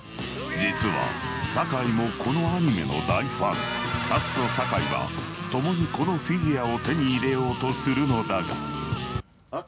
実は酒井もこのアニメの大ファン龍と酒井は共にこのフィギュアを手に入れようとするのだがあ。